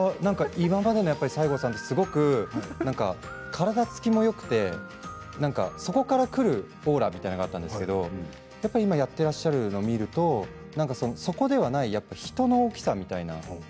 今までの西郷さんって体つきもよくてそこから来るオーラがあったんですけど今やっていらっしゃるのを見るとそこではない人の大きさみたいな。